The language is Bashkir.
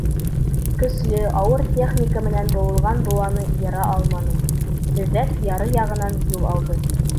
Көслө, ауыр техника менән быуылған быуаны йыра алманы — һөҙәк яры яғынан юл алды.